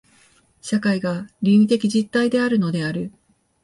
社会が倫理的実体であるのである。